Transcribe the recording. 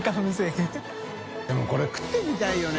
任これ食ってみたいよね。